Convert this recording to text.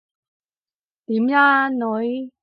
點呀，女？